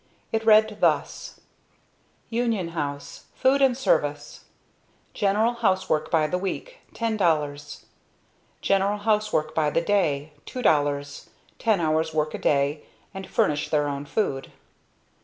It read thus: UNION HOUSE Food and Service. General Housework by the week..... $10.00 General Housework by the day....... $2.00 Ten hours work a day, and furnish their own food.